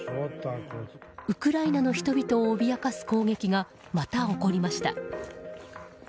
ウクライナの人々を脅かす攻撃がまた起こりました。